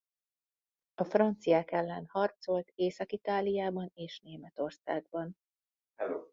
A franciák ellen harcolt Észak-Itáliában és Németországban.